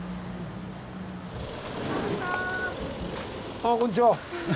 あこんにちは。